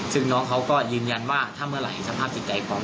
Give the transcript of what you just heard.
ซึ่งน้องเขาก็ยืนยันว่าถ้าเมื่อไหร่สภาพจิตใจของ